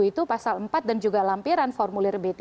itu pasal empat dan juga lampiran formulir b tiga